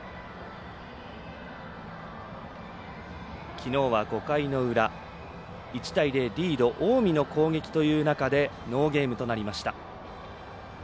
きのうは５回の裏、１対０リード近江の攻撃という中でノーゲームとなりました。